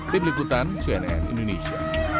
tim likutan cnn indonesia